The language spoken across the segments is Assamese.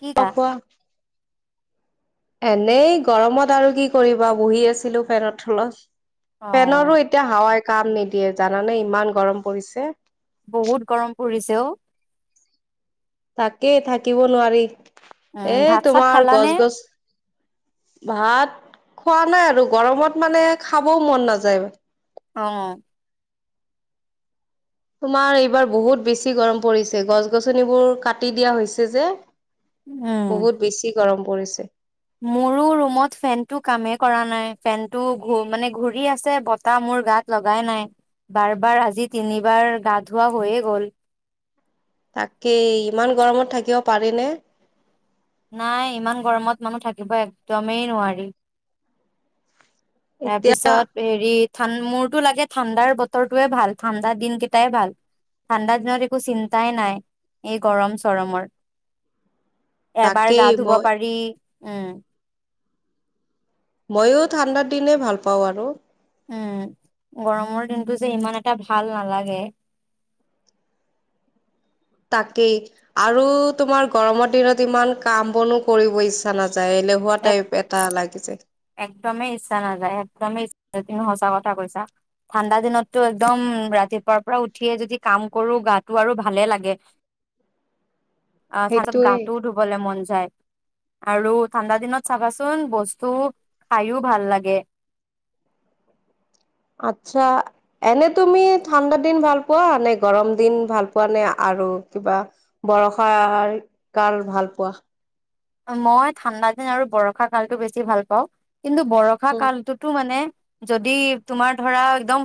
কি কা অ', কোৱা। এনেই, গৰমত আৰু কি কৰিবা বহি আছিলো ফেনৰ থলত। অ ফেনৰো এতিয়া হাৱাই কাম নিদিয়ে, জানানে ইমান গৰম পৰিছে। বহুত গৰম পৰিছে অঔ, তাকেই, থাকিব নোৱাৰি। উম এ ভাত চাত তোমাৰ খালানে গছ গছ, ভাত খোৱা নাই আৰু, গৰমত মানে খাবও মন নাযায়। অ' তোমাৰ, এইবাৰ বহুত বেছি গৰম পৰিছে গছ গছনিবোৰ কাটি দিয়া হৈছে যে, উম বহুত বেছি গৰম পৰিছে। মোৰো ৰুমত ফেনটো কামেই কৰা নাই। ফেনটো ঘূ মানে ঘূৰি আছে বতাহ মোৰ গাত লগাই নাই বাৰ বাৰ আজি তিনিবাৰ গা ধোৱা হৈয়ে গ'ল। তাকে ইমান গৰমত থাকিব পাৰিনে? নাই ইমান গৰমত মানুহ থাকিব একদমেই নোৱাৰি। এতিয়া তাৰপিছত হেৰি ঠা মোৰটো লাগে ঠাণ্ডাৰ বতৰটোৱে ভাল ঠাণ্ডাৰ দিন কেইটাই ভাল, ঠাণ্ডা দিনত একো চিন্তাই নাই এই গৰম চৰমৰ এবাৰ গা তাকেই ধুব মই পাৰি, উ' ময়ো ঠাণ্ডাৰ দিনে ভাল পাওঁ আৰু, উম গৰমৰ দিনটো যে ইমান এটা ভাল নালাগে। তাকেই আৰু তোমাৰ গৰমৰ দিনত ইমান কাম বনো কৰিব ইচ্ছা নাছিল যাই, এলেহুৱা এক টাইপ এটা লাগি যায়। একদমেই ইচ্ছা নাযায় একদমেই ইচ্ছা নিযায়। তুমি সচা কথা কৈছা ঠাণ্ডা দিনততো একদম ৰাতিপুৱাৰ পৰা উঠিয়ে যদি কাম কৰো গাটো আৰু ভালে লাগে, অ' তাৰছত সেইটোৱে। গাটোও ধুবলৈ মন যা য়, আৰু ঠাণ্ডা দিনত চাবাচোন বস্তু খাইও ভাল লাগে, আচ্ছা এনে তুমি ঠাণ্ডা দিন ভাল পোৱা নে, গৰম দিন ভাল পোৱা নে, আৰু কিবা বৰষাৰ কাল ভাল পোৱা? মই ঠাণ্ডা দিন আৰু বৰষা কালতো বেছি ভাল পাওঁ। কিন্তু বৰষা উম, কালটোতো মানে যদি তোমাৰ ধৰা একদম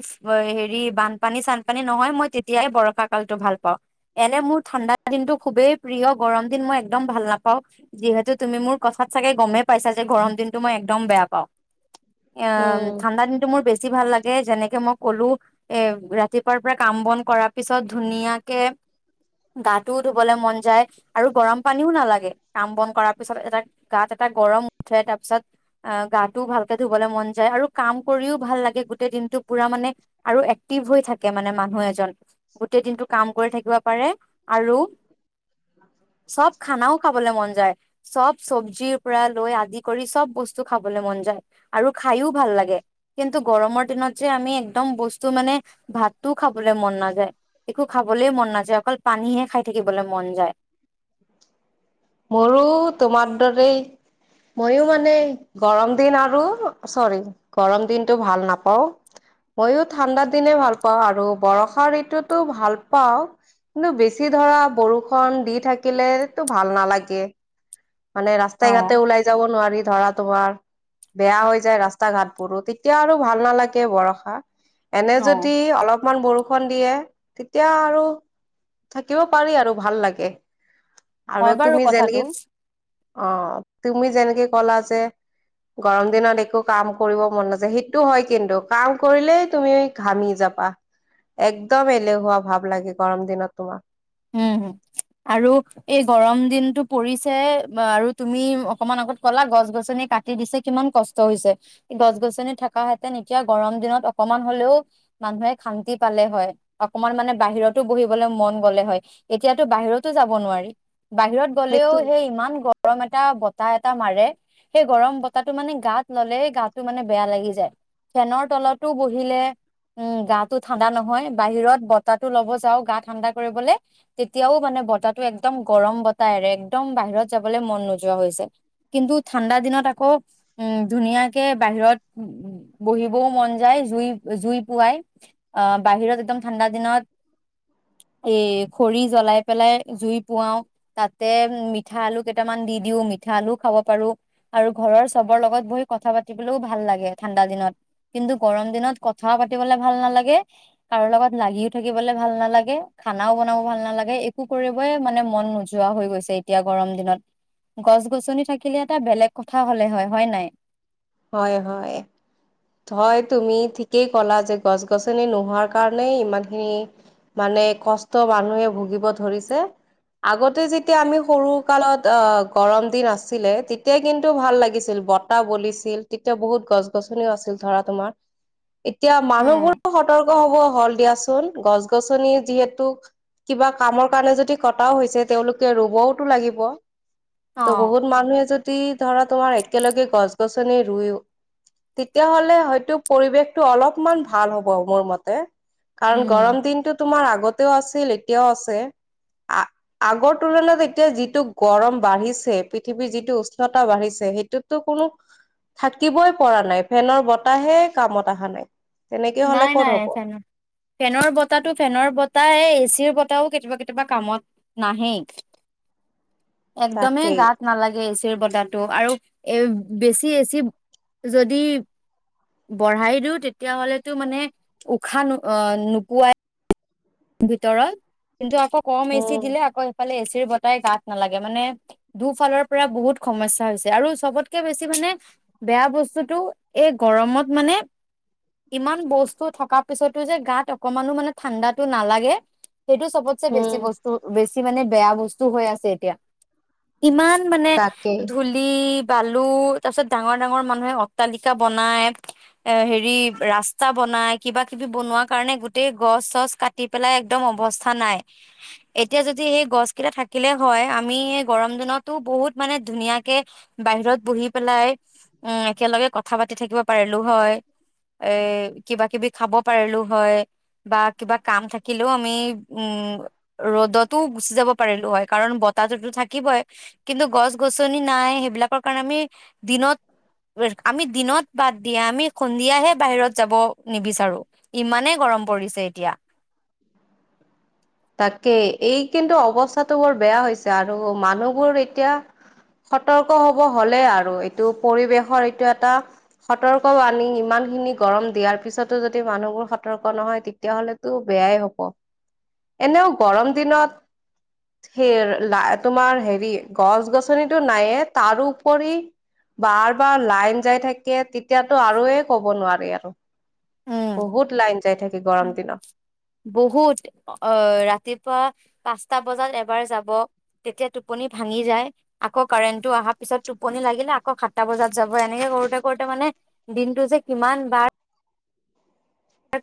হেৰি বানপানী চানপানী নহয়, মই তেতিয়াই বৰষা কালতো ভাল পাওঁ, এনে মোৰ ঠাণ্ডা দিনটো খুবেই প্ৰিয়, গৰম দিন মই একদম ভাল নাপাওঁ। যিহেতু তুমি মোৰ কথাত চাগে গমেই পাইছা যে গৰম দিনতটো মই একদম বেয়া পাওঁ। উম, অ' ঠাণ্ডা দিনটো মোৰ বেছি বেছি ভাল লাগে। যেনেকে মই ক'লো এ ৰাতিপুৱাৰ পৰা কাম বন কৰাৰ পিছত ধুনীয়াকে গাটোও ধুবলে মন যায় আৰু গৰম পানীও নালাগে। কাম বন কৰা পিছত এটা গাত এটা গৰম উঠে, তাৰ পিছত আহ গাটোও ভালকে ধুবলৈ মন যায় আৰু কাম কৰিও ভাল লাগে গোটেই দিনটো পুৰা মানে আৰু এক্টিভ হৈ থাকে মানে মানুহ এজন গোটেই দিনটো কাম কৰি থাকিব পাৰে আৰু চব খানাও খাবলৈ মন যায়, চব চব্জিৰ পৰা লৈ আদি কৰি চব বস্তু খাবলৈ মন যায় আৰু খাইও ভাল লাগে। কিন্তু গৰমৰ দিনত যে আমি একদম বস্তু মানে ভাতটোও খাবলৈ মন নাযায় একো খাবলে মন নাযায় অকল পানীহে খাই থাকিবলৈ মন যায়। মোৰো তোমাৰ দৰে, মইও মানে গৰম দিন আৰু চৰি গৰম দিনটো ভাল নাপাও মইয়ো ঠাণ্ডা দিনে ভাল পাওঁ আৰু বৰষা ঋতুতো ভাল পাওঁ কিন্তু বেছি ধৰা বৰষুণ দি থাকিলে ভাল নালাগে। কে মানে ৰাস্তাই ঘাটে অ', ওলাই যাব নোৱাৰি, ধৰা তোমাৰ বেয়া হৈ যায় ৰাস্তা ঘাটবোৰো তেতিয়া আৰু ভাল নালাগে বৰষা এনে অ', যদি অলপ অকমান বৰষুণ দিয়ে তেতিয়া আৰু থাকিব পাৰি আৰু ভাল লাগে আৰু হয় বাৰু তুমি যেনেকে কথাটো। অ তুমি যেনেকে কলা যে গৰম দিনত একো কাম কৰিব মন নাযায় সেইটো হয় কিন্তু কাম কৰিলেই তুমি ঘামি যাবা একদম এলেহুৱা ভাৱ লাগে গৰম দিনত তোমাক উম আৰু এই গৰম দিনটো পৰিছে আৰু তুমি অকমান আগত কলা গছ গছনি কাটি দিছে কিমান কষ্ট হৈছে গছ গছনি থাকা হেতেন এতিয়া গৰম দিনত অকমান হলেও মানুহে শান্তি পালে হয় অকমান মানে বাহিৰতো বহিবলে মন গলে হয় এতিয়াতো বাহিৰতো যাব নোৱাৰি বাহিৰত গ'লেও সেইটো সেই ইমান গৰম এটা বতাহ বতাহ মাৰে সেই গৰম বতাহটো মানে গাত ললে গাটো মানে বেয়া লাগি যায় ফেনৰ তলতো বহিলে উম গাটো ঠাণ্ডা নহয় বাহিৰত বতাহটো ল'ব যাও গা ঠাণ্ডা কৰিবলৈ তেতিয়াও মানে বতাহটো একদম গৰম বতাহৰে একদম বাহিৰত যাবলে মন নোযোৱা হৈছে কিন্তু ঠাণ্ডা দিনত আকৌ উম ধুনীয়াকে বাহিৰত বহিবও মন যায় জুই জুই পোৱাই আ বাহিৰত একদম ঠাণ্ডা দিনত এ খৰি জ্বলাই পেলাই জুই পুৱাও তাতে মিঠা আলু কেইটামান দি দিও মিঠা আলুও খাব পাৰো আৰু ঘৰৰ চবৰ লগত বহি কথা পাতিবলৈও ভাল লাগে ঠাণ্ডা দিনত কিন্তু গৰম দিনত কথা পাতিবলে ভাল নালাগে কাৰো লগত লাগিও থাকিবলৈ ভাল নালাগে খানাও বনাব ভাল নালাগে একো কৰিবই মানে মন নোযোৱা হৈ গৈছে এতিয়া গৰম দিনত গছ গছনি থাকিলে এটা বেলেগ কথা হলে হয় হয় নাই হয় হয় হয় তুমি ঠিকেই ক'লা যে গছ গছনি নোহোৱাৰ কাৰণেই ইমান খিনি মানে কষ্ট মানুহে ভুগিব ধৰিছে আগতে যেতিয়া আমি সৰু কালত আ গৰম দিন আছিলে তেতিয়া কিন্তু ভাল লাগিছিল বতাহ বলিছিল আছিল তেতিয়া বহুত গছ গছনিও আছিল ধৰা তোমাৰ এতিয়া উম মানুহবোৰো সতৰ্ক হব হ'ল দিয়াচোন গছ গছনি যিহেতু কিবা কামৰ কাৰণে যদি কটাও হৈছে তেওঁলোকে ৰুবওতো লাগিব অ ত' বহুত মানুহে যদি ধৰা তোমাৰ একেলগে গছ গছ নি ৰুইও তেতিয়াাহলে হয়তো পৰিৱেশটো অলপমান ভাল হ'ব মোৰ মতে কাৰণ উম গৰম দিনটো তোমাৰ আগতে আছিল এতিয়াও আছে আগৰ তুলনাত এতিয়া যিটো গৰম বাঢ়িছে পৃথিৱীৰ যিটো উষ্ণতা বাঢ়িছে সেইটোতো কোনো থাকিবই পৰা নাই ফেনৰ বতাহে কামত অহা নাই তেনেকে হ'লে নাই ক'ত নাই হ'ব ফেনৰ ফেনৰ বতাহটো ফেনৰ বতাহে এচিৰ বতাহ তাও কেতিয়াবা কেতিয়াবা কামত নাহে একদমেই তাকেই গাত নালাগে বতাহটো আৰু এ বেছি এচি যদি বঢ়াই দিওঁ তেতিয়াাহ'লে টো মানে উশাহ নো নোপোৱাই ভিতৰত কিন্তু আকৌ কম এচি উম, দিলে আকৌ এফালে এ বতাহেই গাত নালাগে মানে দুফালৰ পৰা বহুত সমস্যা হৈছে আৰু চবতকে বেছি মানে বেয়া বস্তুতটো এই গৰমত মানে ইমান বস্তু থকা পিছতো যে গাত অকমানো মানে ঠাণ্ডাত টো নালাগে সেইটো চবতচে বেছি উম, বস্তু বেছি মানে বেয়া বস্তু হৈ আছে এতিয়া ইমান মানে তাকেই। ধূলি তালু তাৰ পিছত ডাঙৰ ডাঙৰ মানুহে অট্টালিকা বনাই এ হেৰি ৰাস্তা বনাই কিবা কিবি বনোৱা কাৰণে গোতেেই গছ চছ কাটি তি পেলাই একদম অৱস্থা নাই এতিয়া যদি সেই গছ কেইটা থাকিলে হয় আমি গৰম দিনতো বহুত মানে ধুনীয়াকে বাহিৰত বহি পেলাই উম একেলগে কথা পাতি থাকিব পাৰিলো হয় এ কিবা কিবি খাব পাৰিলো হয় বা কিবা কাম থাকিলেও আমি উম ৰ'দতো গুচি যাব পাৰিলো হয় কাৰণ বতাহটোতো থাকিবই কিন্তু গছ গছনি নাই সেইবিলাকৰ কাৰণে আমি দিনত আমি দিনত বাদ দিয়ে আমি সন্ধিয়াহে বাহিৰত যাব নিবিচাৰো ইমানে গৰম পৰিছে এতিয়া তাকেই এই কিন্তু অৱস্থাটো বৰ বেয়া হৈছে আৰু মানুহবোৰ এতিয়া সতৰ্ক হব হলে আৰু এইটো পৰিৱেশৰ এইটো এটা সতৰ্ক আনি ইমান খিনি গৰম দিয়াৰ পিছতো যদি মানুহবোৰ সতৰ্ক নহয় তেতিয়াহলেতো বেয়াই হব এনেও গৰম দিনত সেই তোমাৰ হেৰি গছ গছনটো নাইায়য়ে তাৰো কৰি বাৰ বাৰ লাইন যাই থাকে তেতিয়াতো আৰুে ক'ব নোৱাৰি আৰু বহুত লাইন যাই থাকে গৰম উম দিনত বহুত অ ৰাতিপুৱা পাঁচ সাতটা বজাত এবাৰ যাব তেতিয়া টোপনি ভাঙি যায় আকৌ কাৰেণ্টটো অহাৰ পিছত টোপনি লাগিলে আকৌ সাতটা বজাত যাব এনেকে কৰোতে কৰোতে মানে দিনটো যে কিমান বাৰ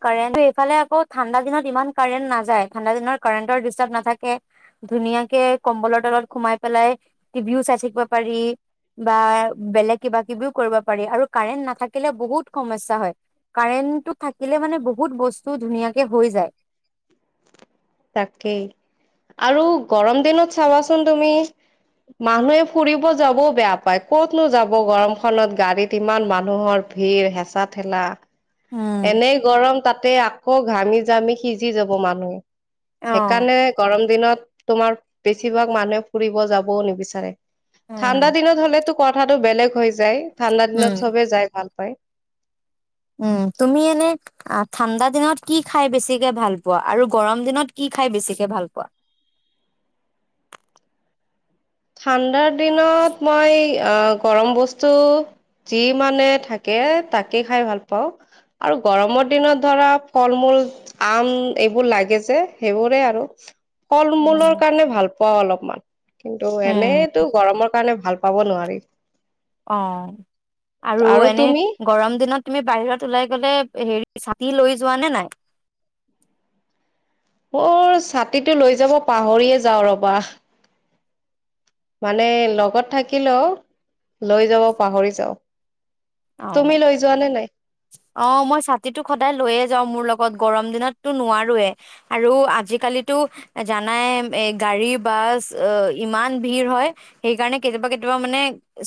ক ইফালে আকৌ ঠাণ্ডা দিনত ইমান কাৰেন্ট নাযায় ঠাণ্ডা দিনত কাৰেণ্টৰ দৃষ্টাব নাথাকে ধুনীয়াকে কম্বলৰ তলত সোমাই পেলাই টিভিও চাই থাকিব পাৰি বা বেলেগ কিবা কিবিও কৰিব পাৰি আৰু কাৰেণ্ট নাথাকিলে বহুত সমস্যা হয় কাৰেণ্টটো থ দিলে মানে বহুত বস্তু ধুনীয়াকে হৈ যায় তাকেই আৰু গৰম দিনত চাবাচোন তুমি মানুহে ফুৰিব যাবও বেয়া পায় কতনো যাব গৰমখনত গাড়ীত ইমান মানুহৰ ভিৰ হেঁচা ঠেলা উম এনেই গৰম তাতে আ ক ঘামি জামি সিজি যাব মানুহ অ' সেইকাৰণে গৰম দিনত তোমাৰ বেছিভাগ মানুহে ফুৰিব যাবও নিবিচাৰে উম, ঠাণ্ডা দিনত হলেতো কথাটো বেলেগ যাই ঠাণ্ডা দিনত উম, চবেই যাই ভাল পায় উম তুমি এনে ঠাণ্ডা দিনত কি খাই বেছিকে ভাল পোৱা আৰু গৰম দিনত কি খাই বেছিকে ভাল পোৱা ঠাণ্ডাত দিনত মই আহ গৰম বস্তু যি মানে থাকে তাকে খাই ভাল পাওঁ আৰু গৰমৰ দিনত ধৰা ফল মূল আম এইবোৰ লাগে যে সেইবোৰে আৰু ফল উম। মূলৰ কাৰণে ভাল পোৱা অলপমান ত' উম, এনেইতো গৰমৰ কাৰণে ভাল পাব নোৱাৰি অ আৰু এনে গৰম দিনত তুমি বাহিৰত ওলাই গলে হেৰি ছাতি লৈ যোৱা নে নাই অ ছাতিটো লৈ যাব পাহৰিয়ে যাওঁ ৰবা মানে লগত থাকিলেও লৈ যাব পাহৰি যাওঁ অ'। তুমি লৈ যোৱা নে নাই অ মই ছাতিটো সদায় লৈয়ে যাও মোৰ লগত গৰম দিনততো নোৱাৰোৱে আৰু আজিকালিিতো জানাই এ গাড়ী বাছ ইমান ভিৰ হয় সেইকাৰণে কেতিয়াবা কেতিয়াবা মানে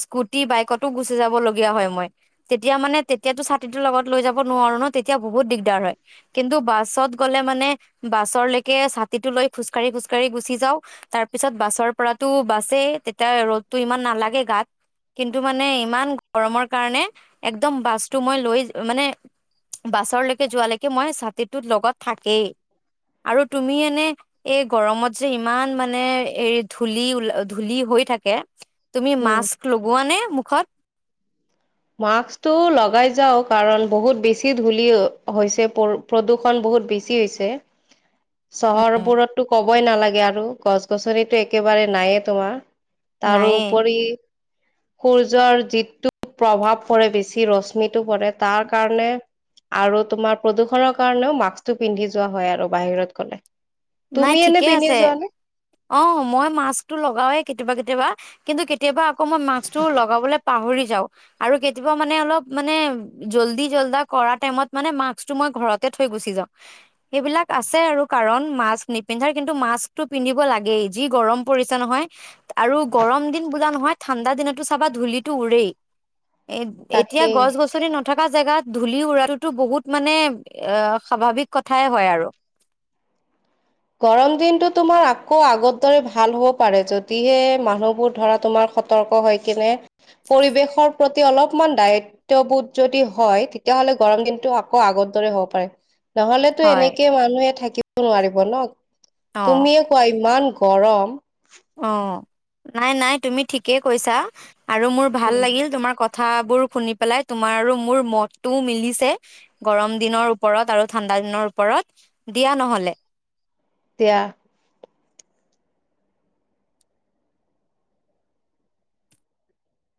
স্কুটি বাইকতো গুচি যাব লগগীয়া হয় মই তেতিয়া মানে তেতিয়ো ছাতি ছাতিটো লগত লৈ যাব নোৱাৰো ন তেতিয়া বহুত দিগদাৰ হয় কিন্তু বাছত গ'লে মানে বাছলৈকে ছাতিটো লৈ খোজকাঢ়ি খোজকাঢ়ি গুচি যাওঁ তাৰ পিছত বাছৰ পৰাতো বাছে তেতিয়া ৰ'দটো ইমান নালাগে গাত কিন্তু মানে ইমান গৰমৰ কাৰণে একদম বাছটো মই লৈ মানে বাছৰলৈকে যোৱালৈকে মই ছাতিটোত লগত থাকেই আৰু তুমি এনে এই গৰমত যে ইমান মানে এ ধূলি উল ধূলি হৈ থাকে তুমি উম মাস্ক লগোৱা নে মুখত মাস্কটো লগাই যাও কাৰণ বহুত বেছি ধূলি হৈছে প্ৰদূ্ষণ বহুত বেছি হৈছে চহৰবোৰত টো ক'ব ক'বই নালাগে আৰু গছ গছনিতো একেবাৰে নায়ে তোমাৰ তাৰ নাইয়ে উপৰি সূৰ্যৰ যিটো প্ৰভাৱ পৰে বেছি ৰশ্মিতটো পৰে তাৰ কাৰণে আৰু তোমাৰ প্ৰদূষণৰ কাৰণেও মাস্কটো পিন্ধি যোৱা হয় আৰু বাহিৰত গলে নাই তুমি এনে ঠিকে পিন্ধি আছে যোৱা নে অ মই মাস্কটো লগাওৱে কেতিয়াবা কেতিয়াবা কিন্তু কে কেতিয়াবা আকৌ মই মাস্কটো লগাবলৈ পাহৰি যাওঁ আৰু কেতিয়াবা মানে আলপ মানে জল্দি জল্ডা কৰা টাইমত মানে মাক্স টো মই ঘৰতে থৈ গুচি যাওঁ সেইবিলক আছে আৰু কাৰণ নিপিন্ধা কিন্তু মাস্কটো পিন্ধিব লাগেই যি গৰম পৰিছে নহয় আৰু গৰম দিন বোলা নহয় ঠাণ্ডা দিনতো চাবা ধূলটো উৰেই এ এতিয়া তাকেই গছ গছনি নথকা জেগাত ধূলি উৰাটোতো বহুত মানে এ স্বাভাৱিক কথাই হয় আৰু গৰম দিনটো তোমাৰ আকৌ আগৰ দৰে ভাল হ'ব পাৰে যদিহে মানুহবোৰ ধৰা তোমাৰ সতৰ্ক হৈ কিনে পৰিৱেশৰ প্ৰতি অলপমান যদি দায়িত্ববোধ যদি হয় তেতিয়াাহলে গৰম দিনটো আকৌ আগৰ দৰে হ'ব পাৰে নহলেতো হয় এনেকে মানুহে থাকিব তোৱাৰী বল [unintelligible] অ তুমিয়ে কোৱা ইমান গৰম অ নাই নাই তুমি ঠিকেই কৈছা আৰু মোৰ ভাল উম লাগিল তোমাৰ কথা কথাবোৰ শুনি পেলাই তোমাৰ আৰু মোৰ মতটোও মিলিছে গৰম দিনৰ ওপৰত আৰু ঠাণ্ডা দিনৰ ওপৰত দিয়া নহলে তেয়া